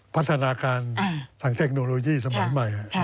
พัฒนาการทางเทคโนโลยีสมัยใหม่